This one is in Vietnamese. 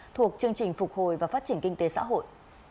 thuộc chương trình phục hồi và phát triển kinh tế xã hội